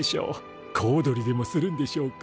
小躍りでもするんでしょうか？